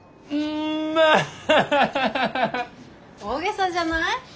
大げさじゃない？